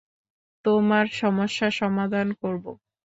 তোমার সমস্যা সমাধান করব।